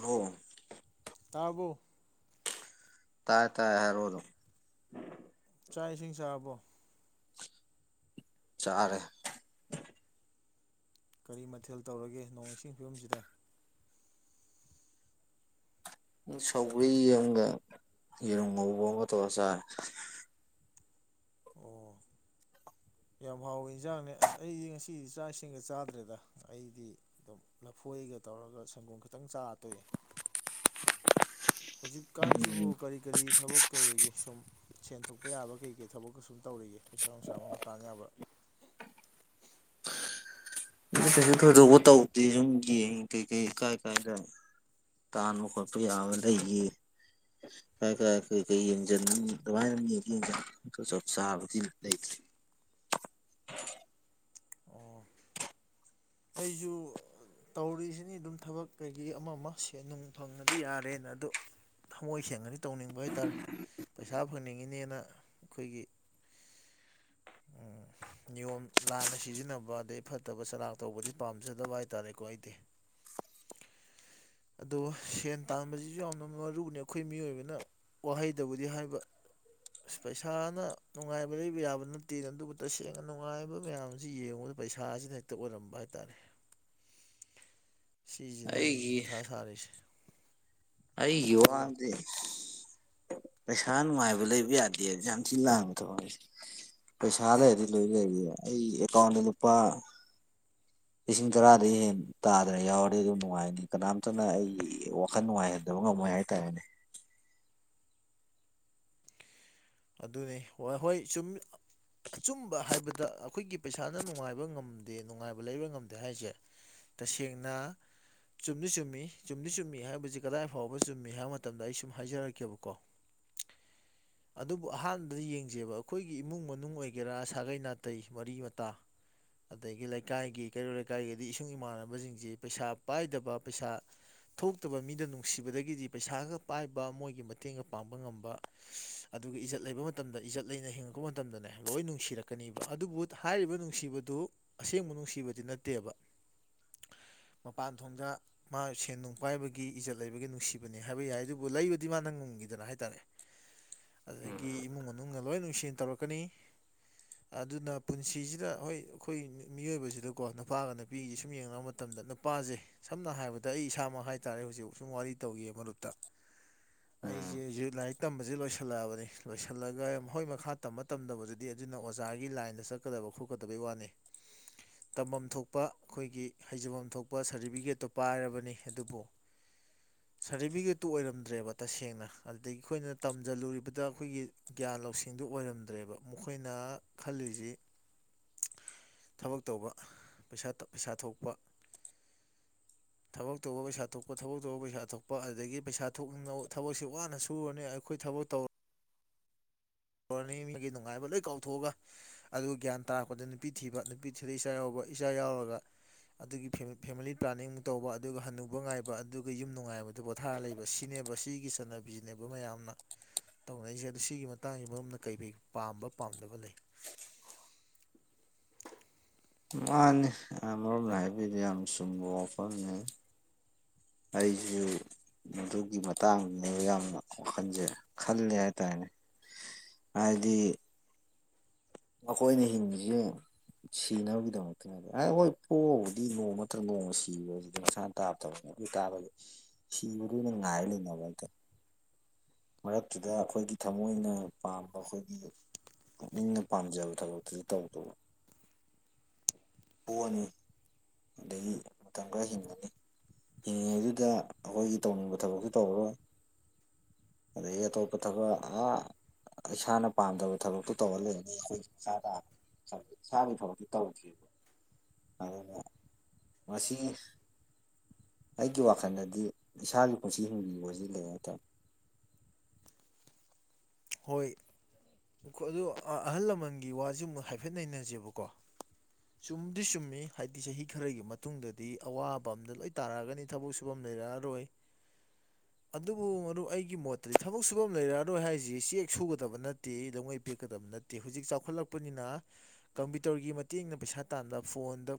ꯑꯣ ꯇꯥꯕꯣ ꯇꯥꯏ ꯇꯥꯏ ꯍꯥꯏꯔ ꯑꯣꯏꯗ ꯆꯥꯛ ꯏꯁꯤꯡ ꯆꯥꯕꯣ ꯆꯥꯦ ꯀꯔꯤ ꯃꯊꯦꯜ ꯇꯧꯔꯒꯦ ꯅꯣꯡ ꯏꯁꯤꯡꯒꯤ ꯐꯤꯕꯝꯁꯤꯗ ꯁꯧꯒꯔꯤ ꯑꯃꯒ ꯌꯦꯔꯨꯝ ꯉꯧꯕ ꯑꯃꯒ ꯇꯧꯔ ꯆꯥꯔꯦ ꯑꯣ ꯌꯥꯝ ꯍꯥꯎꯏꯤ ꯏꯟꯁꯥꯡꯅꯦ ꯑꯁ ꯑꯩꯗꯤ ꯉꯁꯤꯗꯤ ꯆꯥꯛ ꯏꯁꯤꯡꯒ ꯆꯥꯗ꯭ꯔꯦꯗ ꯑꯩꯗꯤ ꯑꯗꯨꯝ ꯂꯐꯨ ꯀꯣꯏꯒ ꯇꯧꯔꯒ ꯁꯪꯒꯣꯝ ꯈꯤꯇꯪ ꯆꯥ ꯇꯣꯛꯑ ꯍꯧꯖꯤꯛꯀꯥꯟꯁꯤꯕꯨ ꯑꯗꯨ ꯀꯔꯤ ꯀꯔꯤ ꯊꯕꯛ ꯇꯧꯔꯤꯒꯦ ꯁꯨꯝ ꯁꯦꯟꯊꯣꯛꯄ ꯌꯥꯕ ꯀꯩ ꯀꯩ ꯊꯕꯛꯀ ꯁꯨꯝ ꯇꯧ ꯇꯧꯔꯤꯒꯦ ꯄꯩꯁꯥ ꯅꯨꯡꯁꯥ ꯑꯃ ꯇꯥꯡ ꯌꯥꯕ ꯀꯩꯁꯨ ꯀꯩꯗꯣꯛꯧꯕ ꯇꯧꯗꯦ ꯁꯨꯝ ꯌꯦꯡꯉꯤ ꯀꯩꯀꯩ ꯀꯥꯏ ꯀꯥꯏꯗ ꯇꯥꯅ ꯈꯣꯇꯨ ꯌꯥꯕ ꯂꯩ ꯂꯩꯦ ꯥꯏ ꯈꯥꯏ ꯀꯩ ꯀꯩ ꯌꯦꯡꯁꯤꯟ ꯑꯗꯨꯃꯥꯏꯅ ꯃꯤ ꯌꯦꯡꯁꯤꯟꯣ ꯆꯞ ꯆꯥꯕꯗꯤ ꯂꯩꯇ꯭ꯔꯦ [unintelligible] ꯑꯣ ꯑꯩꯁꯨ ꯇꯧꯔꯤꯁꯤꯅꯤ ꯑꯗꯨꯝ ꯊꯕꯛ ꯀꯩꯀꯩ ꯑꯃ ꯑꯃ ꯁꯦꯟ ꯅꯨꯡ ꯐꯪꯉꯗꯤ ꯌꯥꯔꯦꯅ ꯑꯗꯨꯗ ꯊꯃꯣꯏ ꯁꯦꯡꯒꯅꯤ ꯇꯧꯅꯤꯡꯕ ꯍꯥꯏ ꯇꯔꯦ ꯄꯩꯁꯥ ꯐꯪꯅꯤꯡꯉꯤꯅꯦꯅ ꯑꯩꯈꯣꯏꯒꯤ ꯎꯝ ꯅꯤꯌꯣꯝ ꯂꯥꯟꯅ ꯁꯤꯖꯤꯟꯅꯕ ꯑꯗꯩ ꯐꯠꯇꯕ ꯆꯔꯥꯛ ꯇꯧꯕꯗꯤ ꯄꯥꯝꯖꯗꯕ ꯍꯥꯏ ꯇꯥꯔꯦꯀꯣ ꯑꯩꯗꯤ ꯑꯗꯣ ꯁꯦꯟ ꯇꯥꯟꯕꯁꯤꯁꯨ ꯌꯥꯝꯅ ꯃꯔꯨꯅꯤ ꯑꯩꯈꯣꯏ ꯃꯤꯑꯣꯏꯕꯅ ꯋꯥꯍꯩꯗꯕꯨꯗꯤ ꯍꯥꯏꯕ ꯑꯁ ꯄꯩꯁꯥꯅ ꯅꯨꯡꯉꯥꯏꯕ ꯂꯩꯕ ꯌꯥꯕ ꯅꯠꯇꯦꯅ ꯑꯗꯨꯕꯨ ꯇꯁꯦꯡꯅ ꯅꯨꯡꯉꯥꯏꯕ ꯃꯌꯥꯝꯁꯤ ꯌꯦꯡꯉ ꯑꯗꯨ ꯄꯩꯁꯥꯁꯤꯅ ꯍꯦꯛꯇ ꯑꯣꯏꯔꯝꯕ ꯍꯥꯏꯇꯥꯔꯦ ꯁꯤꯁꯤꯅꯅꯤ ꯀ ꯁꯔꯦ ꯑꯩ ꯌꯨ ꯋꯥꯗꯤꯦ ꯄꯩꯁꯥ ꯅꯨꯡꯉꯥꯏꯕ ꯂꯩꯕ ꯌꯥꯗꯦ ꯌꯥꯝ ꯊꯤꯜ ꯂꯥꯡꯕ ꯊꯁꯦ ꯄꯩꯁꯥ ꯂꯩꯔꯗꯤ ꯂꯣꯏ ꯂꯩꯔꯤ ꯑꯩ ꯑꯦꯀꯥꯎꯟꯗ ꯂꯨꯄꯥ [inaudible] ꯂꯤꯁꯤꯡ ꯇꯔꯥꯗꯒꯤ ꯍꯦꯟ ꯇꯥꯗꯅ ꯌꯥꯎꯔꯗꯤ ꯑꯗꯨꯝ ꯅꯨꯡꯉꯥꯏꯅꯤ ꯀꯅꯥꯝꯇꯅ ꯑꯩ ꯋꯥꯈꯜ ꯅꯨꯡꯉꯥꯏꯍꯟ ꯑꯗꯨ ꯉꯃꯣꯏ ꯍꯥꯏꯇꯥꯔꯦꯅꯦ ꯑꯗꯨꯅꯤ ꯍꯣꯏ ꯍꯣꯏ ꯁꯨꯝ ꯑꯆꯨꯝꯕ ꯍꯥꯏꯕꯗ ꯑꯩꯈꯣꯏꯒꯤ ꯄꯩꯁꯥꯅ ꯅꯨꯡꯉꯥꯏꯕ ꯉꯝꯗꯦ ꯅꯨꯡꯉꯥꯏꯕ ꯂꯩꯕ ꯉꯝꯗꯦ ꯍꯥꯏꯁꯦ ꯇꯁꯦꯡꯅ ꯆꯨꯝꯗꯤ ꯆꯨꯝꯃꯤ ꯆꯨꯝꯗꯤ ꯆꯨꯝꯃꯤ ꯍꯥꯏꯕꯁꯤ ꯀꯗꯥꯏ ꯐꯥꯎꯕ ꯆꯨꯝꯃꯤ ꯍꯥꯏꯕ ꯃꯇꯝꯗ ꯑꯩ ꯁꯨꯝ ꯍꯥꯏꯖꯔꯛꯀꯦꯕꯀꯣ [inaudible] ꯑꯗꯨꯕꯨ ꯑꯍꯥꯟꯕꯗ ꯌꯦꯡꯖꯦꯕ ꯑꯩꯈꯣꯏꯒꯤ ꯏꯃꯨꯡ ꯃꯅꯨꯡ ꯑꯣꯏꯒꯦꯔꯥ ꯁꯥꯒꯩ ꯅꯥꯇꯩ ꯃꯔꯤ ꯃꯇꯥ ꯑꯗꯒꯤ ꯂꯩꯀꯥꯏꯒꯤ ꯀꯩꯔꯣꯜ ꯂꯩꯀꯥꯏꯒꯤꯗꯤ ꯏꯁꯨꯡ ꯏꯃꯥꯟꯅꯕꯁꯤꯡꯁꯤ ꯄꯩꯁꯥ ꯄꯥꯏꯗꯕ ꯄꯩꯁꯥ ꯊꯣꯛꯇꯕ ꯃꯤꯗ ꯅꯨꯡꯁꯤꯕꯗꯒꯤꯗꯤ ꯄꯩꯁꯥꯒ ꯄꯥꯏꯕ ꯃꯣꯏꯒꯤ ꯃꯇꯦꯡꯒ ꯄꯥꯡꯕ ꯉꯝꯕ ꯑꯗꯨꯒ ꯏꯖꯠ ꯂꯩꯕ ꯃꯇꯝꯗ ꯏꯖꯠ ꯂꯩꯅ ꯍꯤꯡꯉꯛꯄ ꯃꯇꯝꯗꯅꯦ ꯂꯣꯏ ꯅꯨꯡꯁꯤꯔꯛꯀꯅꯤꯕ ꯑꯗꯨꯕꯨ ꯍꯥꯏꯔꯤꯕ ꯅꯨꯡꯁꯤꯕꯗ ꯑꯁꯦꯡꯕ ꯅꯨꯡꯁꯤꯕꯗꯤ ꯅꯠꯇꯦꯕ ꯃꯄꯥꯟ ꯊꯣꯡꯗ ꯃꯥ ꯁꯦꯟ ꯅꯨꯡ ꯄꯥꯏꯕꯒꯤ ꯏꯖꯠ ꯂꯩꯕꯒꯤ ꯅꯨꯡꯁꯤꯕꯅꯦ ꯍꯥꯏꯕ ꯌꯥꯏ ꯑꯗꯨꯕꯨ ꯂꯩꯕꯨꯗꯤ ꯃꯥꯅ ꯐꯝꯈꯤꯗꯅ ꯍꯥꯏꯇꯥꯔꯦ ꯑꯗꯨꯗꯒꯤ ꯎꯝ ꯏꯃꯨꯡ ꯃꯅꯨꯡꯅ ꯂꯣꯏ ꯅꯨꯡꯁꯦꯟ ꯇꯧꯔꯛꯀꯅꯤ ꯑꯗꯨꯅ ꯄꯨꯟꯁꯤꯁꯤꯗ ꯍꯣꯏ ꯑꯩꯈꯣꯏ ꯃꯤꯑꯣꯏꯕꯁꯤꯗꯀꯣ ꯅꯨꯄꯥꯒ ꯅꯨꯄꯤꯒꯤ ꯁꯨꯝ ꯌꯦꯡꯅꯕ ꯃꯇꯝꯗ ꯗ ꯅꯨꯄꯥꯁꯦ ꯁꯝꯅ ꯍꯥꯏꯔꯕꯗ ꯑꯩ ꯏꯁꯥꯃꯛ ꯍꯥꯏꯇꯥꯔꯦ ꯍꯧꯖꯤꯛ ꯁꯨꯝ ꯋꯥꯔꯤ ꯇꯧꯋꯦꯕ ꯃꯔꯨꯞꯇ ꯎꯝ ꯑꯩꯁꯦ ꯍꯧꯖꯤꯛ ꯂꯥꯏꯔꯤꯛ ꯇꯝꯕꯁꯦ ꯂꯣꯏꯁꯤꯜꯂꯛꯑꯕꯅꯤ ꯑꯗꯩ ꯂꯣꯏꯁꯤꯜꯂꯒ ꯃꯈꯣꯏ ꯃꯈꯥ ꯇꯝꯕ ꯇꯝꯗꯕꯗꯨꯗꯤ ꯑꯗꯨꯅ ꯑꯣꯖꯥꯒꯤ ꯂꯥꯏꯟꯗ ꯆꯠꯀꯗꯕ ꯈꯣꯠꯀꯗꯕꯩ ꯋꯥꯅꯤ ꯎꯝ ꯇꯝꯐꯝ ꯊꯣꯛꯄ ꯑꯩꯈꯣꯏꯒꯤ ꯍꯩꯖꯐꯝ ꯊꯣꯛꯄ ꯁꯥꯔꯇꯤꯐꯤꯀꯦꯠꯇꯣ ꯄꯥꯏꯔꯕꯅꯤ ꯑꯗꯨꯕꯨ ꯁꯥꯔꯇꯤꯐꯤꯀꯦꯠꯇꯨ ꯑꯣꯏꯔꯝꯗ꯭ꯔꯦꯕ ꯇꯁꯦꯡꯅ ꯑꯗꯨꯗꯒꯤ ꯑꯩꯈꯣꯏꯅ ꯇꯝꯁꯤꯜꯂꯨꯔꯤꯕꯗ ꯑꯩꯈꯣꯏꯒꯤ ꯒ꯭ꯌꯥꯟ ꯂꯧꯁꯤꯡꯗꯨ ꯑꯣꯏꯔꯝꯗ꯭ꯔꯦꯕ ꯃꯈꯣꯏꯅ ꯈꯜꯂꯤꯁꯤ ꯊꯕꯛ ꯇꯧꯕ ꯄꯩꯁꯥ ꯄꯩꯁꯥ ꯊꯣꯛꯄ [unintelligible] [inaudible] ꯊꯕꯛ ꯇꯧꯕ ꯄꯩꯁꯥ ꯊꯣꯛꯄ ꯊꯕꯛ ꯇꯧꯕ ꯄꯩꯁꯥ ꯊꯣꯛꯄ ꯑꯗꯨꯗꯒꯤ ꯄꯩꯁꯥ ꯊꯣꯛꯅꯤꯡ ꯊꯕꯛꯁꯦ ꯋꯥꯅ ꯁꯨꯔꯅꯤ ꯑꯩꯈꯣꯏ ꯊꯕꯛ ꯇꯧ ꯇꯧꯔꯅꯤ ꯃꯤꯒꯤ ꯅꯨꯡꯉꯥꯏꯕ ꯂꯣꯏ ꯀꯥꯎꯊꯣꯛꯑꯒ ꯑꯗꯨꯒ ꯒ꯭ꯌꯥꯟ ꯇꯥꯔꯛꯄꯗ ꯅꯨꯄꯤ ꯊꯤꯕ ꯅꯨꯄꯤ ꯊꯤꯗ ꯏꯁꯥ ꯌꯥꯎꯕ ꯄꯩꯁꯥ ꯌꯥꯎꯒ ꯑꯗꯨꯒꯤ ꯐꯦꯃꯤꯂꯤ ꯄ꯭ꯂꯥꯅꯤꯡ ꯇꯧꯕ ꯑꯗꯨꯒ ꯍꯟꯅꯨꯕ ꯉꯥꯏꯕ ꯑꯗꯨꯒ ꯌꯨꯝ ꯅꯨꯡꯉꯥꯏꯕꯗꯨ ꯄꯣꯊꯥꯔ ꯂꯩꯕ ꯁꯤꯅꯦ ꯁꯤꯒꯤ ꯆꯠꯅꯕꯤꯁꯤꯅꯦꯕ ꯃꯌꯥꯝꯅ ꯇꯧꯅꯔꯤꯁꯦ ꯑ ꯁꯤꯒꯤ ꯍꯛꯇꯥꯥꯡꯒꯤ ꯃꯔꯝꯅ ꯀꯩꯀꯩ ꯄꯥꯝꯕ ꯄꯥꯝꯗꯕ ꯂꯩ ꯃꯥꯅꯦ ꯑꯃꯔꯣꯝꯅ ꯍꯥꯏꯕꯤꯗꯤ ꯌꯥꯝ ꯆꯨꯝꯕ ꯋꯥꯐꯝꯅꯦ ꯑꯩꯁꯨ ꯑꯗꯨꯒꯤ ꯃꯇꯥꯡꯅꯦꯕ ꯌꯥꯝꯅ ꯋꯥꯈꯜꯁꯦ ꯈꯜꯂꯦ ꯍꯥꯏꯇꯥꯔꯦꯅꯦ [unintelligible] [inaudible] ꯍꯥꯏꯗꯤ ꯑ ꯑꯩꯣꯏ ꯅ ꯍ ꯁꯤꯅꯕꯒꯤꯗꯃꯛꯇ ꯍꯣꯏ ꯄꯣꯛꯑꯕꯨꯗꯤ ꯅꯣꯡꯃꯠꯇ꯭ꯔꯒ ꯅꯣꯡꯃ ꯁꯤꯕꯁꯤ ꯃꯁꯥꯅ ꯇꯥꯞꯇꯕꯅꯤ ꯇꯥꯕꯁ ꯁꯤꯕꯗꯨꯅ ꯉꯥꯏ ꯂꯩꯅꯕ ꯑꯗ ꯃꯔꯛꯇꯨꯗ ꯑꯩꯈꯣꯏꯒꯤ ꯊꯃꯣꯏꯅ ꯄꯥꯝꯕ ꯑꯩꯈꯣꯏꯒꯤ ꯃꯤꯅ ꯄꯥꯝꯖꯕ ꯊꯕꯛꯇꯨꯗꯤ ꯇꯧꯗꯧꯕ ꯄꯣꯛꯑꯅꯤ ꯑꯗꯒꯤ ꯃꯇꯝ ꯈꯔ ꯍꯤꯡꯉꯅꯤ ꯍꯤꯡꯉꯤꯉꯩꯗꯨꯗ ꯑꯩꯈꯣꯏꯒꯤ ꯇꯧꯅꯤꯡꯕ ꯊꯕꯛꯁꯨ ꯇꯧꯔꯔꯣꯏ ꯑꯗꯩ ꯑꯇꯣꯞꯄ ꯊꯕ ꯑ ꯏꯁꯥꯅ ꯄꯥꯝꯗꯕ ꯊꯕꯛꯇꯨ ꯇꯧꯍꯜꯂꯕꯅꯤ ꯑꯩꯈꯣꯏ ꯏꯁꯥꯗ ꯏꯁꯥꯒꯤ ꯐꯥꯎꯗꯤ ꯇꯧꯗꯕ ꯑꯗꯨꯅ ꯃꯁꯤꯁꯤ ꯑꯩꯒꯤ ꯋꯥꯈꯜꯗꯗꯤ ꯏꯁꯥꯒꯤ ꯄꯨꯟꯁꯤ ꯍꯤꯡꯕꯤꯨꯕꯁꯤ ꯀ ꯍꯥꯏꯇꯥꯔꯦ ꯍꯣꯏ ꯑꯗꯨ ꯑꯍꯜ ꯂꯃꯟꯒꯤ ꯋꯥꯁ ꯑꯃꯨꯛ ꯍꯥꯏꯐꯦꯠ ꯅꯩꯅꯁꯦꯕꯀꯣ ꯆꯨꯝꯗꯤ ꯆꯨꯝꯃꯤ ꯍꯥꯏꯕꯗꯤ ꯆꯍꯤ ꯈꯔꯒꯤ ꯃꯇꯨꯡꯗꯗꯤ ꯑꯋꯥꯕ ꯑꯝꯗ ꯂꯣꯏ ꯇꯥꯔꯛꯑꯒꯅꯤ ꯊꯕꯛ ꯁꯨꯐꯝ ꯔ ꯑꯗꯨꯕꯨ ꯑꯩꯒꯤ ꯃꯣꯠꯇꯗꯤ ꯊ ꯁꯨꯔꯛꯑꯔꯣꯏ ꯍꯥꯏ ꯁꯤ ꯆꯦꯛ ꯁꯨꯒꯗꯕ ꯅꯠꯇꯦꯗꯧꯉꯩ ꯄꯦꯛꯀꯗꯕ ꯅꯠꯇꯦ ꯍꯧꯖꯤꯛ ꯆꯥꯎꯈꯠꯂꯛꯄꯅꯤꯅ ꯀꯝꯄ꯭ꯌꯨꯇꯔꯒꯤ ꯃꯇꯦꯡꯅ ꯄꯩꯁꯥ ꯇꯥꯟꯕ ꯐꯣꯟꯗ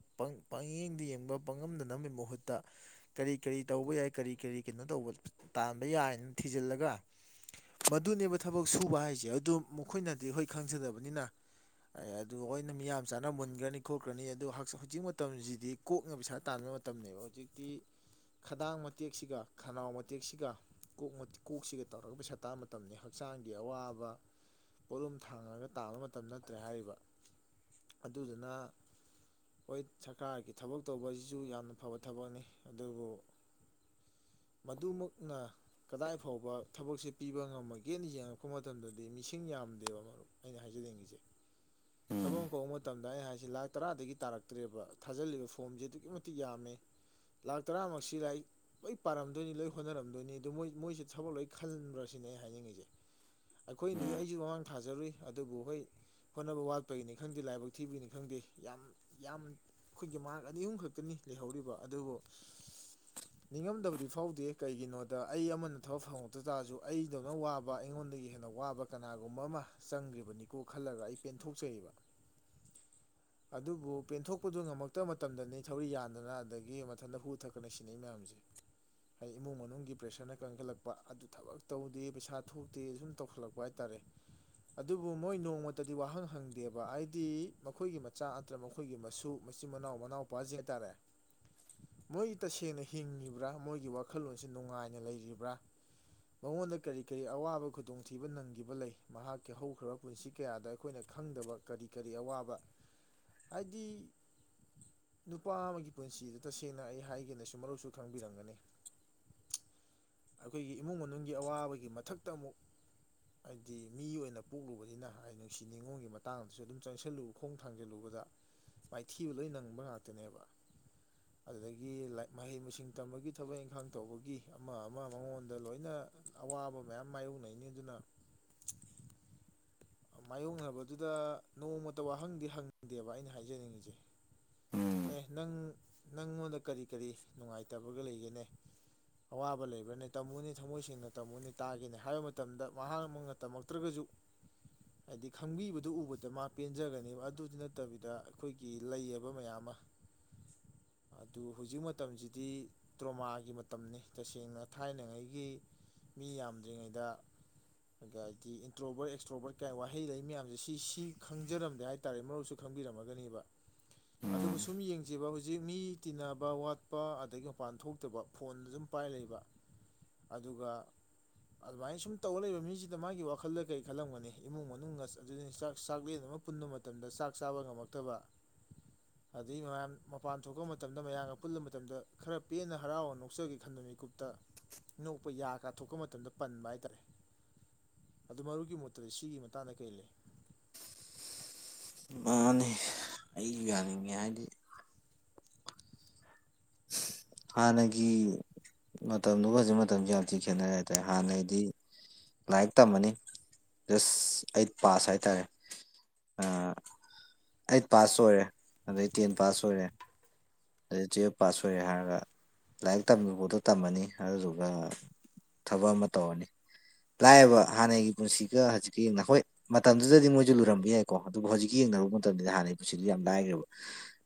ꯄꯥꯡꯌꯦꯡꯗ ꯌꯦꯡꯕ ꯄꯥꯡꯉꯝꯗꯅꯕꯒꯤ ꯃꯍꯨꯠꯇ ꯀꯔꯤ ꯀ ꯇꯧꯕ ꯌꯥꯏ ꯀꯔꯤ ꯀꯔꯤ ꯀꯩꯅꯣ ꯇꯧꯕ ꯇꯥꯟꯕ ꯌꯥꯏꯅ ꯊꯤꯖꯤꯜꯂꯒ ꯃꯗꯨꯅꯦꯕ ꯊꯕꯛ ꯁꯨꯕ ꯍꯥꯏꯁꯦ ꯑꯗꯨ ꯃꯈꯣꯏꯅꯗꯤ ꯍꯣꯏ ꯈꯪꯖꯗꯕꯅꯤꯅ ꯑꯗꯨ ꯑꯣꯏꯅ ꯃꯤꯌꯥꯝ ꯆꯥꯅ ꯃꯨꯟꯈ꯭ꯔꯅꯤ ꯈꯣꯠꯈ꯭ꯔꯅꯤ ꯑꯗꯨ ꯍꯧꯖꯤꯛ ꯃꯇꯝꯁꯤꯗꯤ ꯀꯣꯛꯅ ꯄꯩꯁꯥ ꯇꯥꯟꯕꯥꯟꯕ ꯃꯇꯝꯕ ꯍꯧꯖꯤꯛꯇꯤ ꯈꯗꯥꯡ ꯃꯇꯦꯛꯁꯤꯒ ꯈꯅꯥꯎ ꯃꯇꯦꯛꯁꯤꯒ ꯀꯣꯛ ꯀꯣꯛꯁꯤꯒ ꯇꯧꯔꯒ ꯁꯇꯥ ꯃꯇꯝꯅꯤ ꯍꯛꯆꯥꯡꯒꯤ ꯑꯋꯥꯕ ꯄꯣꯠꯂꯨꯝ ꯊꯥꯡꯉꯒ ꯇꯥꯕ ꯃꯇꯝ ꯅꯠꯇ꯭ꯔꯦ ꯍꯥꯏꯔꯤꯕ ꯑꯗꯨꯗꯨꯅ ꯍꯣꯏ ꯁꯔꯀꯥꯔꯒꯤ ꯊꯕꯛ ꯇꯧꯕꯁꯤꯁꯨ ꯌꯥꯝꯅ ꯐꯕ ꯊꯕꯛꯅꯤ ꯑꯗꯨꯕꯨ ꯃꯗꯨꯃꯛꯅ ꯀꯗꯥꯏ ꯐꯥꯎꯕ ꯊꯕꯛꯁꯦ ꯄꯤꯕ ꯉꯝꯃꯒꯦ ꯒꯠ ꯌꯦꯡꯉꯛꯄ ꯃꯇꯝꯗꯗꯤ ꯃꯤꯁꯤꯡ ꯌꯥꯝꯗꯦꯕ ꯃꯔꯨꯞ ꯑꯩꯅ ꯍꯥꯏꯖꯅꯤꯡꯉꯤꯁꯦ ꯎꯝ ꯊꯕꯛ ꯑꯃ ꯀ ꯃꯇꯝꯗ ꯑꯩꯩꯅ ꯍꯥꯏꯁꯦ ꯂꯥꯛ ꯇꯔꯥꯗꯒꯤ ꯇꯥꯔꯛꯇ꯭ꯔꯦꯕ ꯊꯥꯖꯤꯜꯂꯤꯕ ꯐꯣꯝꯁꯦ ꯑꯗꯨꯛꯀꯤ ꯃꯇꯤꯛ ꯌꯥꯝꯃꯦ ꯂꯥꯛ ꯇꯔꯥꯃꯨꯛ ꯁꯤ ꯂꯥꯛ ꯂꯣꯏ ꯄꯥꯔꯝꯗꯣꯏꯅꯤ ꯂꯣꯏ ꯍꯣꯠꯅꯔꯝꯗꯣꯏꯅꯤ ꯑꯗꯨꯣ ꯃꯣꯏ ꯃꯣꯏꯁꯦ ꯊꯕꯛ ꯂꯣꯏ ꯈꯟꯕ꯭ꯔꯁꯤꯅꯦ ꯑꯩ ꯍꯥꯏꯅꯤꯡꯉꯤꯁꯤ ꯑꯩꯈꯣꯏꯅꯁꯨ ꯎꯝ ꯑꯩꯁꯨ ꯋꯥꯥꯡ ꯊꯥꯖꯔꯨꯏ ꯑꯗꯨꯕꯨ ꯍꯣꯏ ꯍꯣꯠꯅꯕ ꯋꯥꯠꯄꯒꯤꯅꯤ ꯈꯪꯗꯦ ꯂꯥꯏꯕꯛ ꯊꯤꯕꯅꯤ ꯈꯪꯗꯦ ꯌꯥꯝ ꯌꯥꯝ ꯑꯩꯈꯣꯏꯒꯤ ꯃꯥꯔꯛ ꯑꯅꯤ ꯑꯍꯨꯝ ꯈꯛꯛꯇꯅꯤ ꯂꯩꯍꯧꯔꯤꯕ ꯑꯗꯨꯕꯨ ꯅꯤꯡꯉꯝꯗꯕꯗꯤ ꯐꯥꯎꯗꯦ ꯀꯩꯒꯤꯅꯣꯗ ꯑꯩ ꯑꯃꯅ ꯊꯕꯛ ꯐꯪꯉꯛꯇ ꯇꯥꯔꯁꯨ ꯑꯩꯗꯧꯅ ꯋꯥꯕ ꯑꯩꯉꯣꯟꯗꯒꯤ ꯍꯦꯟꯅ ꯋꯥꯕ ꯀꯅꯥꯒꯨꯝꯕ ꯑꯃ ꯆꯪꯈ꯭ꯔꯤꯕꯅꯤꯀꯣ ꯈꯜꯂꯒ ꯑꯩ ꯄꯦꯟꯊꯣꯛꯆꯩꯕ [inaudible] ꯑꯗꯨꯕꯨ ꯄꯦꯟꯊꯣꯛꯄꯗꯨ ꯉꯝꯃꯛꯇꯕ ꯃꯇꯝꯗꯅꯤ ꯊꯧꯔꯤ ꯌꯥꯟꯗꯅ ꯑꯗꯒꯤ ꯃꯊꯟꯇ ꯍꯨ ꯊꯛꯛꯇꯅ ꯁꯤꯟꯅꯩ ꯃꯌꯥꯝꯁꯦ ꯍꯥꯏꯗꯤ ꯏꯃꯨꯡ ꯃꯅꯨꯡꯒꯤ ꯄ꯭ꯔꯦꯁꯔꯅ ꯀꯟꯈꯠꯂꯛꯄ ꯑꯗꯨ ꯊꯕꯛ ꯇꯧꯗꯦ ꯄꯩꯁꯥ ꯊꯣꯛꯇꯦ ꯁꯨꯝ ꯇꯧꯈꯠꯂꯛꯄ ꯍꯥꯏꯇꯥꯔꯦ ꯑꯗꯨꯕꯨ ꯃꯣꯏ ꯅꯣꯡꯃꯇꯗꯤ ꯋꯥꯍꯪ ꯍꯪꯗꯦꯕ ꯍꯥꯏꯗꯤ ꯃꯈꯣꯏꯒꯤ ꯃꯆꯥ ꯅꯠꯇ꯭ꯔ ꯃꯈꯣꯏꯒꯤ ꯃꯁꯨ ꯃꯁꯤ ꯃꯅꯥꯎ ꯃꯅꯥꯎ ꯄꯥꯁꯤ ꯍꯥꯏꯇꯥꯔꯦ ꯃꯣꯏꯒꯤ ꯇꯁꯦꯡꯅ ꯍꯤꯡꯉꯤꯕ꯭ꯔꯥ ꯃꯣꯏꯒꯤ ꯋꯥꯈꯜꯂꯣꯟꯁꯤ ꯅꯨꯡꯉꯥꯏꯅ ꯂꯩꯔꯤꯕ꯭ꯔꯥ ꯃꯉꯗ ꯀꯔꯤ ꯀꯔꯤ ꯑꯋꯥꯕ ꯈꯨꯗꯣꯡꯊꯤꯕ ꯅꯪꯈꯤꯕ ꯂꯩ ꯃꯍꯥꯛꯀꯤ ꯍꯧꯈ꯭ꯔꯕ ꯄꯨꯟꯁꯤ ꯀꯌꯥꯗ ꯑꯩꯈꯣꯏꯅ ꯈꯪꯗꯕ ꯀꯔꯤ ꯀꯔꯤ ꯑꯋꯥꯕ ꯍꯥꯏꯗꯤ ꯅꯨꯄꯥ ꯑꯃꯒꯤ ꯄꯨꯟꯁꯤꯗ ꯇꯁꯦꯡꯅ ꯑꯩ ꯍꯥꯏꯒꯦꯅꯁꯨ ꯃꯔꯨꯞꯁꯨ ꯈꯪꯕꯤꯔꯝꯒꯅꯤ ꯑꯩꯈꯣꯏꯒꯤ ꯏꯃꯨꯡ ꯃꯅꯨꯡꯒꯤ ꯑꯋꯥꯕꯒꯤ ꯃꯊꯛꯇ ꯑꯃꯨꯛ ꯍꯥꯏꯗꯤ ꯃꯤ ꯑꯣꯏꯅ ꯄꯣꯛꯂꯨꯕꯅꯤꯅ ꯍꯥꯏ ꯅꯨꯡꯁꯤ ꯅꯤꯉꯣꯜꯒꯤ ꯃꯇꯥꯡꯗꯁꯨ ꯑꯗꯨꯝ ꯆꯪꯁꯤꯜꯂꯨ ꯈꯣꯡ ꯊꯥꯡꯖꯜꯂꯨꯕ ꯃꯥꯏꯊꯤꯕ ꯂꯣꯏ ꯅꯪꯕ ꯉꯥꯛꯇꯅꯦꯕ ꯑꯗꯨꯗꯒꯤ ꯃꯍꯩ ꯃꯁꯤꯡ ꯇꯝꯕꯒꯤ ꯊꯕꯛ ꯏꯪꯈꯥꯡ ꯇꯧꯕꯒꯤ ꯑꯃ ꯑꯃ ꯃꯉꯣꯟꯗ ꯂꯣꯏꯅ ꯑꯋꯥꯕ ꯃꯌꯥꯝ ꯃꯥꯏꯌꯣꯛꯅꯩꯅꯤ ꯑꯗꯨꯅ ꯃꯥꯌꯣꯛꯅꯕꯗꯨꯗ ꯅꯣꯡꯃꯇ ꯋꯥꯍꯪꯗꯤ ꯍꯪꯗꯦꯕ ꯑꯩꯅ ꯍꯥꯏꯖꯅꯤꯡꯉꯤꯁꯦ ꯎꯝ ꯑꯦ ꯅꯪ ꯅꯪꯉꯣꯟꯗ ꯀꯔꯤ ꯀꯔꯤ ꯅꯨꯡꯉꯥꯏꯇꯕꯒ ꯂꯩꯒꯦꯅꯦ ꯑꯋꯥꯕ ꯂꯩꯕ꯭ꯔꯅꯦ ꯇꯝꯃꯨꯅꯤ ꯊꯃꯣꯏꯁꯤꯡꯅ ꯇꯥꯃꯨꯅꯤ ꯇꯥꯒꯦꯅꯤ ꯍꯥꯏꯕ ꯃꯇꯝꯗ ꯃꯍꯥꯛ ꯃꯨꯅ ꯇꯝꯃꯛꯇ꯭ꯔꯒꯁꯨ ꯍꯥꯏꯗꯤ ꯈꯪꯕꯤꯕꯗꯨ ꯎꯕꯗ ꯃꯥ ꯄꯦꯟꯖꯒꯅꯦꯕ ꯑꯗꯨꯗꯤ ꯅꯠꯇꯕꯤꯗ ꯑꯩꯈꯣꯏꯒꯤ ꯂꯩꯑꯕ ꯃꯌꯥꯝ ꯑꯃ [inaudible] ꯑꯗꯨ ꯍꯧꯖꯤꯛ ꯃꯇꯝꯁꯤꯗꯤ ꯇ꯭ꯔꯣꯃꯥꯒꯤ ꯃꯇꯝꯅꯤ ꯇꯁꯦꯡꯅ ꯊꯥꯏꯅꯉꯩꯒꯤ ꯃꯤ ꯌꯥꯝꯗ꯭ꯔꯤꯉꯩꯗ ꯑꯗꯤ ꯏꯟꯇ꯭ꯔꯣꯕꯔꯠ ꯑꯦꯛꯁꯇ꯭ꯔꯣꯕꯔꯠ ꯀꯥꯏ ꯋꯥꯍꯩ ꯂꯩ ꯃꯌꯥꯝꯁꯦ ꯁꯤ ꯈꯪꯖꯔꯝꯗꯦ ꯍꯥꯏꯇꯥꯔꯦ ꯃꯔꯨꯞꯁꯨꯦ ꯎꯝ [inaudible] ꯍꯧꯖꯤꯛ ꯃꯤ ꯇꯤꯟꯅꯕ ꯋꯥꯠꯄ ꯑꯗꯒꯤ ꯃꯄꯥꯟ ꯊꯣꯛꯇꯕ ꯐꯣꯟꯗ ꯁꯨꯝ ꯄꯥꯏ ꯂꯩꯕ ꯑꯗꯨꯒ ꯑꯗꯨꯃꯥꯏꯅ ꯁꯨꯝ ꯇꯧꯔ ꯂꯩꯕ ꯃꯤꯁꯤꯗ ꯃꯥꯒꯤ ꯋꯥꯈꯜꯗ ꯀꯔꯤ ꯈꯜꯂꯝꯒꯅꯤ ꯏꯃꯨꯡ ꯃꯅꯨꯡ ꯑꯗꯨ ꯆꯥꯛ ꯆꯥꯛꯂꯦꯟ ꯑꯃ ꯄꯨꯟ ꯃꯇꯝꯗ ꯆꯥꯛ ꯆꯥꯕ ꯉꯝꯃꯛꯇꯕ ꯑꯗꯩ ꯃꯌꯥꯝ ꯃꯄꯥꯟ ꯊꯣꯛꯄ ꯃꯇꯝꯗ ꯃꯌꯥꯝꯒ ꯄꯨꯜꯂ ꯃꯇꯝꯗ ꯈꯔ ꯄꯦꯟꯅ ꯍꯔꯥꯎꯔ ꯅꯣꯛꯆꯒꯦ ꯈꯟꯕ ꯃꯤꯀꯨꯞꯇ ꯅꯣꯛꯄ ꯌꯥꯒ ꯊꯣꯛꯄ ꯃꯇꯝꯗ ꯄꯟꯕ ꯍꯥꯏꯇꯥꯔꯦ ꯑꯗꯨ ꯃꯔꯨꯒꯤ ꯃꯨꯠꯇꯗꯤ ꯁꯤꯒꯤ ꯃꯇꯥꯡꯗ ꯀꯔꯤ ꯂꯩ ꯃꯥꯅꯦ ꯑꯩꯁꯨ ꯌꯥꯅꯤꯡꯉ ꯍꯥꯏꯗꯤ ꯍꯒꯤ ꯃꯇꯝꯗꯨꯒ ꯍꯧꯖꯤꯛ ꯃꯇꯝꯁꯦ ꯌꯥꯝ ꯊꯤ ꯈꯦꯠꯅꯔꯦ ꯍꯥꯏꯇꯥꯔꯦ ꯍꯥꯟꯅꯩꯗꯤ ꯂꯥꯏꯔꯤꯛ ꯇꯝꯃꯅꯤ ꯖꯁ ꯑꯩꯠ ꯄꯥꯁ ꯍꯥꯏꯇꯥꯔꯦ ꯑꯩꯠ ꯄꯥꯁ ꯑꯣꯏꯔꯦ ꯑꯗꯩ ꯇꯦꯟ ꯄꯥꯁ ꯑꯣꯏꯔꯦ ꯑꯗꯩ ꯇꯨꯌꯦꯜꯞ ꯄꯥꯁ ꯑꯣꯏꯔꯦ ꯍꯥꯏꯔꯒ ꯂꯥꯏꯔꯤꯛ ꯇꯝꯕꯤꯕꯥꯎꯗꯣ ꯇꯝꯃꯅꯤ ꯑꯗꯨꯗꯨꯒ ꯊꯕꯛ ꯑꯃ ꯇꯧꯔꯅꯤ ꯂꯥꯛꯑꯦꯕ ꯍꯥꯟꯅꯒꯤ ꯄꯨꯟꯁꯤꯒ ꯍꯧꯖꯤꯛꯀ ꯌꯦꯡꯅ ꯍꯣꯏ ꯃꯇꯝꯗꯨꯗꯗꯤ ꯃꯣꯏꯁꯨ ꯂꯨꯔꯝꯕ ꯌꯥꯏꯀꯣ ꯑꯗꯨꯕꯨ ꯍꯧꯖꯤꯛꯀꯤ ꯌꯦꯡ ꯃꯇꯝ ꯍ ꯄꯨꯟꯁꯤ ꯌꯥꯝ ꯂꯥꯏꯈ꯭ꯔꯦ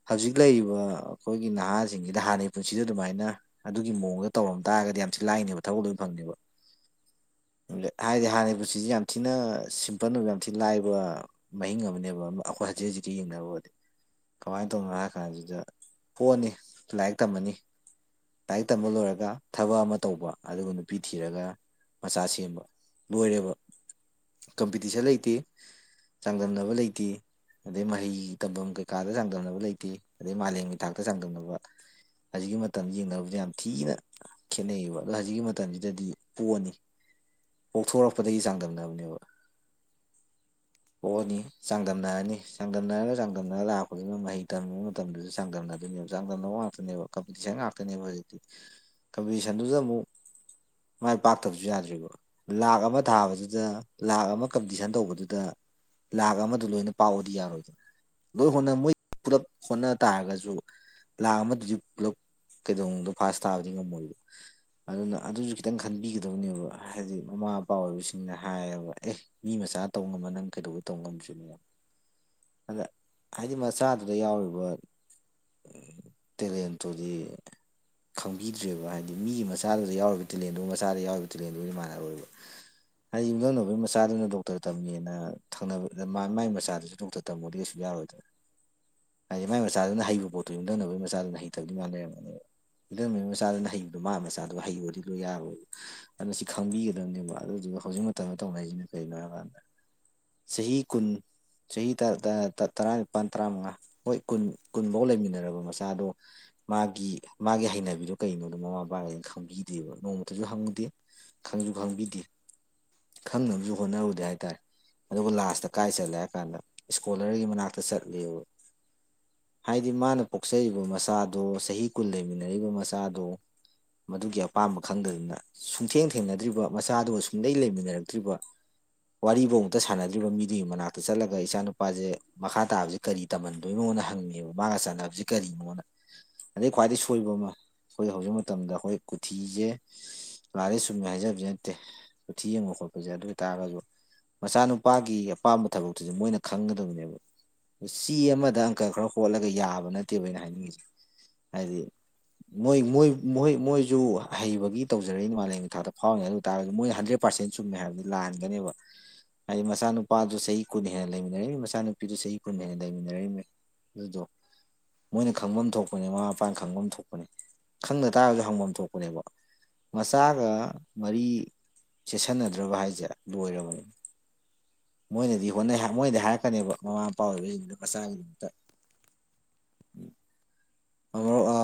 ꯍꯧꯖꯤꯛ ꯂꯩꯔꯤꯕ ꯑꯩꯈꯣꯏꯒꯤ ꯅꯍꯥ ꯆꯤꯡꯁꯤꯗ ꯍꯥꯟꯅꯒꯤ ꯄꯨꯟꯁꯤꯗ ꯑꯗꯨꯃꯥꯏꯅ ꯑꯗꯨꯒꯤ ꯃꯑꯣꯡꯗ ꯇꯧꯔꯝ ꯇꯥꯔꯒꯗꯤ ꯌꯥꯝꯁꯨ ꯂꯥꯏꯅꯦꯕ ꯊꯕꯛ ꯂꯣꯏꯅ ꯐꯪꯅꯦꯕ [inaudible] ꯍꯥꯏꯗꯤ ꯍꯥꯟꯒꯤ ꯄꯨꯟꯁꯤꯁꯤ ꯌꯥꯝ ꯊꯤꯅ ꯁꯤꯝꯄꯜ ꯑꯣꯏꯕ ꯌꯥꯝ ꯊꯤꯅ ꯂꯥꯏꯕ ꯃꯍꯤꯡ ꯑꯃꯅꯦꯕ ꯑꯩꯈꯣꯏ ꯕꯖꯦꯠꯁꯤꯒ ꯌꯦꯡꯅꯕꯣꯗꯤ ꯀꯃꯥꯏꯅ ꯇꯧꯅꯣ ꯍꯥꯏ ꯀꯥꯟꯁꯤꯗ ꯄꯣꯟꯅꯤ ꯂꯥꯏꯔꯤꯛ ꯇꯝꯃꯅꯤ ꯂꯥꯏꯔꯤꯛ ꯇꯝꯕ ꯂꯣꯏꯔꯒ ꯊꯕꯛ ꯑꯃ ꯇꯧꯕ ꯑꯗꯨꯒ ꯅꯨꯄꯤ ꯊꯤꯔꯒ ꯃꯆꯥ ꯁꯦꯝꯕ ꯂꯣꯏꯔꯦꯕ ꯀꯝꯄꯤꯇꯤꯁꯟ ꯂꯩꯇꯦ ꯆꯥꯡꯗꯝꯅꯕ ꯂꯩꯇꯦ ꯑꯗꯩ ꯃꯍꯩ ꯇꯝꯐꯝ ꯀꯩꯀꯥꯗ ꯆꯥꯡꯗꯝꯅꯕ ꯂꯩꯇꯦ ꯑꯗꯩ ꯃꯥꯂꯦꯝꯒꯤ ꯊꯥꯛꯇ ꯆꯥꯡꯗꯝꯅꯕ [inaudible] ꯍꯧꯖꯤꯛꯀꯤ ꯃꯇꯝ ꯌꯦꯡꯅꯕꯁꯦ ꯌꯥꯝ ꯊꯤꯅ ꯈꯦꯅꯩꯌꯦꯕ ꯑꯗꯣ ꯍꯧꯖꯤꯛꯀꯤ ꯃꯇꯝꯁꯤꯗꯗꯤ ꯄꯣꯑꯅꯤ ꯄꯣꯛꯊꯣꯔꯛꯄꯗꯒꯤ ꯆꯥꯡꯗꯝꯅꯕꯅꯦꯕ [inaudible] ꯄꯣꯛꯑꯅꯤ ꯆꯥꯡꯗꯝꯅꯔꯅꯤ ꯆꯥꯡꯗꯝꯅꯔꯒ ꯆꯥꯡꯗꯝꯅꯔ ꯂꯥꯛꯄꯗꯨꯅ ꯃꯍꯩ ꯇꯝꯕ ꯃꯇꯝꯗꯨꯁꯨ ꯆꯥꯡꯗꯝꯅꯗꯣꯏꯅꯦꯕ ꯉꯥꯛꯇꯅꯦꯕ ꯀꯝꯄꯤꯇꯤꯁꯟ ꯉꯥꯛꯇꯅꯦꯕ ꯍꯧꯖꯤꯛꯇꯤ ꯀꯝꯄꯤꯇꯤꯁꯟꯗꯨꯗ ꯑꯃꯨꯛ ꯃꯥꯏ ꯄꯥꯛꯇꯕꯁꯨ ꯌꯥꯗ꯭ꯔꯤꯕ ꯂꯥꯈ ꯑꯃ ꯊꯥꯕꯗꯨꯗ ꯂꯥꯈ ꯑꯃ ꯀꯝꯄꯤꯇꯤꯁꯟ ꯇꯧꯕꯗꯨꯗ ꯂꯥꯛ ꯑꯃꯗ ꯂꯣꯏꯅ ꯄꯥꯎꯕꯗꯤ ꯌꯥꯔꯣꯏꯗꯅ ꯂꯣꯏ ꯍꯣꯅ ꯃꯣꯏ ꯄꯨꯂꯞ ꯍꯣꯠꯅ ꯇꯥꯔꯒꯁꯨ ꯂꯥ ꯑꯃꯗꯨꯗꯤ ꯄꯨꯞ ꯀꯩꯗꯧꯅꯨꯡꯗꯣ ꯐꯥꯁ ꯇꯥꯕꯗꯤ ꯉꯝꯃꯣꯏꯗꯣ ꯑꯗꯨꯅ ꯑꯗꯨꯁꯨ ꯈꯤꯇꯪ ꯈꯟꯕꯤꯒꯗꯕꯅꯦꯕ ꯍꯥꯏꯗꯤ ꯃꯃꯥ ꯃꯄꯥ ꯑꯣꯏꯕꯁꯤꯡꯅ ꯍꯥꯏꯌꯦꯕ ꯑꯦ ꯃꯤ ꯃ ꯄꯆꯥ ꯇꯧ ꯉꯃ ꯅꯪ ꯀꯩꯗꯧꯕ ꯇꯧ ꯉꯝꯗꯁꯤꯣꯏꯅꯦ ꯑꯗ ꯍꯥꯏꯗꯤ ꯃꯆꯥꯗꯨꯗ ꯌꯥꯎꯔꯤꯕ ꯎ ꯇꯂꯦꯟꯇꯗꯤ ꯈꯪꯕꯤꯗ꯭ꯔꯦꯕ ꯍꯥꯏꯗꯤ ꯃꯤꯒꯤ ꯃꯆꯥꯗꯨꯗ ꯌꯥꯎꯔꯤꯕ ꯇꯦꯂꯦꯟꯗꯨ ꯃꯆꯥꯗ ꯌꯥꯎꯔꯤꯕ ꯇꯦꯂꯦꯟꯗꯨꯗꯤ ꯃꯥꯟꯅꯔꯣꯏꯕ ꯍꯥꯏꯗꯤ ꯌꯨꯝꯂꯣꯟꯪꯅꯕꯒꯤ ꯃꯆꯥꯗꯨꯅ ꯗꯣꯛꯇꯔ ꯇꯝꯃꯦꯅ ꯊꯪꯅꯕ ꯃꯒꯤ ꯃꯆꯥꯗꯨꯁꯨ ꯗꯣꯛꯇꯔ ꯇꯝꯃꯗꯤꯩꯁꯨ ꯌꯥ ꯍꯥꯏꯗꯤ ꯃꯥꯏ ꯃꯆꯥꯗꯨꯅ ꯍꯩꯕ ꯄꯣꯠꯇꯣ ꯌꯝꯊꯧꯅꯕꯒꯤ ꯃꯆꯥꯗꯨꯅ ꯍꯩꯇꯕꯗꯤ ꯃꯥꯅ ꯂꯩꯔꯝꯃꯅꯦꯕ ꯏ ꯃꯆꯥꯗꯨꯅ ꯍꯩꯕꯗꯣ ꯃꯥ ꯃꯆꯥꯗꯣ ꯍꯩꯕꯗꯤ ꯂꯣꯏ ꯌꯥꯔꯣꯏ ꯑꯗꯨꯅꯣ ꯁꯤ ꯈꯪꯕꯤꯒꯗꯕꯅꯦꯕ ꯑꯗꯨ ꯍꯧꯖꯤꯛ ꯃꯇꯝꯗ ꯇꯧꯅꯔꯤꯁꯤꯅ ꯀꯩꯅꯣ ꯍꯥꯏꯕꯀꯥꯟꯗ ꯆꯍꯤ ꯀꯨꯟ ꯆꯍꯤ ꯇꯥ ꯇꯥ ꯇꯔꯥꯅꯤꯄꯥꯜ ꯇꯔꯥꯃꯉꯥ ꯍꯣꯏ ꯀꯨꯟ ꯀꯨꯟꯕꯧ ꯂꯩꯃꯤꯟꯅꯔꯕ ꯃꯁꯦ ꯏꯆꯥꯗꯣ ꯃꯥꯒꯤ ꯃꯥꯒꯤ ꯍꯩꯅꯕꯤꯗꯣ ꯀꯩꯅꯣꯗꯣ ꯃꯃꯥ ꯃꯄꯥꯒꯩꯅ ꯈꯪꯕꯤꯗꯦꯕ ꯅꯣꯡꯃꯇꯁꯨ ꯍꯪꯉꯨꯗꯦ ꯈꯪꯁꯨ ꯈꯪꯕꯤꯗꯦ ꯈꯪꯅꯕꯁꯨ ꯍꯣꯠꯅꯔꯨꯗꯦ ꯍꯥꯏꯇꯥꯔꯦ ꯑꯗꯨ ꯂꯥꯁꯇ ꯀꯥꯏ ꯆꯠꯂꯦ ꯍꯥꯏ ꯀꯥꯟꯗ ꯏꯁꯀꯣꯂꯔꯒꯤ ꯃꯅꯥꯛꯇ ꯆꯠꯂꯦꯕ ꯍꯥꯏꯗꯤ ꯃꯥꯅ ꯄꯣꯛꯆꯔꯤꯕ ꯃꯆꯥꯗꯣ ꯆꯍꯤ ꯀꯨꯟ ꯂꯩꯃꯤꯟꯅꯔꯤꯕ ꯃꯆꯥꯗꯣ ꯃꯗꯨꯒꯤ ꯑꯄꯥꯝꯕ ꯈꯪꯗꯗꯅ ꯁꯨꯡꯊꯦꯡ ꯊꯦꯡꯅꯗ꯭ꯔꯤꯕ ꯃꯆꯥꯗꯨꯒ ꯁꯨꯡꯂꯩ ꯂꯩꯃꯤꯟꯅꯔꯛꯇ꯭ꯔꯤꯕ ꯋꯥꯔꯤꯕꯧ ꯑꯃꯨꯛꯇ ꯁꯥꯟꯅꯗ꯭ꯔꯤꯕ ꯃꯤꯗꯨꯒꯤ ꯃꯅꯥꯛꯇ ꯆꯠꯂꯒ ꯏꯆꯥ ꯅꯨꯄꯥꯁꯦ ꯃꯈꯥ ꯇꯥꯕꯁꯦ ꯀꯔꯤ ꯇꯝꯍꯟꯗꯣꯏꯅꯣ ꯑꯉꯣꯟꯗ ꯍꯪꯉꯦꯕ ꯃꯥꯒ ꯆꯥꯟꯅꯕꯁꯤ ꯀꯔꯤꯅꯣꯅ ꯑꯗꯩ ꯈ꯭ꯋꯥꯏꯗꯒꯤ ꯁꯣꯏꯕ ꯑꯃ ꯑꯩꯈꯣꯏ ꯍꯧꯖꯤꯛ ꯃꯇꯝꯗ ꯑꯩꯈꯣꯏ ꯀꯣꯊꯤꯁꯦ ꯂꯥꯜꯂꯦ ꯁꯨꯝꯃꯦ ꯍꯥꯏꯖꯕꯗꯤ ꯅꯠꯇꯦ ꯀꯨꯊꯤ ꯌꯦꯡꯉꯨ ꯈꯣꯠꯄꯁꯦ ꯑꯗꯨ ꯑꯣꯏ ꯇꯥꯔꯒꯁꯨ ꯃꯆꯥꯅꯨꯄꯥꯒꯤ ꯑꯄꯥꯝꯕ ꯊꯕꯛꯇꯨꯁꯨ ꯃꯣꯏꯅ ꯈꯪꯒꯗꯕꯅꯦꯕ ꯆꯦ ꯑꯃꯗ ꯑꯪꯀꯥ ꯈꯔ ꯍꯣꯠꯂꯒ ꯌꯥꯕ ꯅꯠꯇꯦꯕ ꯑꯩꯅ ꯍꯥꯏꯅꯤꯡꯉꯤꯁꯦ ꯍꯥꯏꯗꯤ ꯃꯣꯏ ꯃꯣꯏ ꯃꯣꯏ ꯃꯣꯏꯁꯨ ꯍꯩꯕꯒꯤ ꯇꯧꯖꯔꯛꯏ ꯃꯥꯂꯦꯝꯒꯤ ꯊꯥꯛꯇ ꯐꯥꯎꯅꯤ ꯑꯗꯨ ꯇꯥꯔꯁꯨ ꯃꯣꯏ ꯍꯟꯗ꯭ꯔꯦꯠ ꯄꯥꯔꯁꯦꯟ ꯆꯨꯝꯃꯦ ꯍꯥꯏꯕꯗꯤ ꯂꯥꯟꯒꯅꯦꯕ ꯍꯥꯏꯗꯤ ꯃꯆꯥ ꯅꯨꯨꯄꯥꯗꯨ ꯆꯍꯤ ꯀꯨꯟ ꯍꯦꯟꯅ ꯂꯩꯃꯤꯟꯅꯔꯛꯏꯅꯤ ꯃꯆꯥꯅꯨꯄꯤꯗꯨ ꯆꯍꯤ ꯀꯨꯟ ꯍꯦꯟꯅ ꯂꯩꯃꯤꯟꯅꯔꯛꯏꯃꯤ ꯑꯗꯨꯗꯣ ꯃꯣꯏꯅ ꯈꯪꯕꯝ ꯊꯣꯛꯄꯅꯦ ꯃꯃꯥ ꯃꯄꯥꯅ ꯈꯪꯕꯝ ꯊꯣꯛꯄꯅꯦ ꯈꯪꯗ ꯇꯥꯔꯁꯨ ꯍꯪꯐꯝ ꯊꯣꯛꯄꯅꯦꯕ ꯃꯆꯥꯒ ꯃꯔꯤ ꯆꯦꯁꯟꯅꯗ꯭ꯔꯕ ꯍꯥꯏꯁꯦ ꯂꯣꯏꯔꯕꯅꯤ ꯃꯣꯏꯅꯗꯤ ꯍꯣꯠꯅꯩ ꯍꯥꯏ ꯃꯣꯏꯅꯗꯤ ꯍꯥꯏꯔꯛꯀꯅꯦꯕ ꯃꯃꯥ ꯃꯄꯥ ꯑꯣꯏꯕꯁꯤꯡꯖꯤꯅ ꯃꯆꯥꯒꯤꯗꯃꯛꯇ ꯃꯔꯨꯞ ꯑ,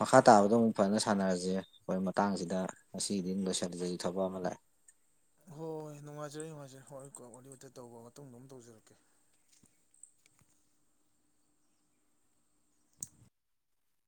ꯃꯈꯥ ꯇꯥꯕꯗꯣ ꯑꯃꯨꯛ ꯐꯖꯅ ꯁꯥꯟꯅꯔꯁꯦ ꯑꯩꯈꯣꯏ ꯃꯇꯥꯡꯁꯤꯗ ꯉꯁꯤꯒꯤꯗꯤ ꯑꯃꯨꯛ ꯂꯣꯏꯁꯤꯟꯕꯒꯤ ꯊꯕꯛ ꯑꯃ ꯂꯥꯛꯑꯦ ꯍꯣꯏ ꯍꯣꯏ ꯅꯨꯡꯉꯥꯏꯖꯔꯦ ꯅꯨꯡꯉꯥꯏꯖꯔꯦ ꯍꯣꯏꯀꯣ ꯋꯥꯔꯤ ꯋꯇꯥꯏ ꯇꯧꯕ ꯃꯇꯨꯡꯗ ꯗꯨꯝ ꯇꯧꯖꯔꯛꯀꯦ